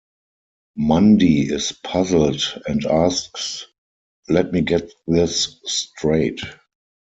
Mundy is puzzled and asks, Let me get this straight.